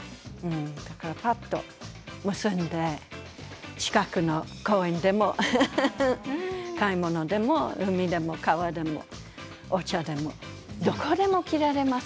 ぱっと結んで近くの公園でも公園でも海でも川でもお茶でもどこでも着られます